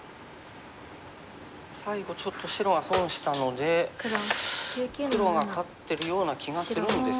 最後ちょっと白が損したので黒が勝ってるような気がするんですが。